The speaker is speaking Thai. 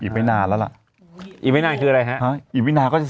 มีแหละโอ้โห